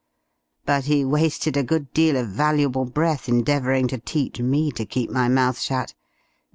But he wasted a good deal of valuable breath endeavouring to teach me to keep my mouth shut.